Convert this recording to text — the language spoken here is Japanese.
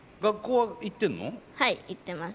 はい行ってます。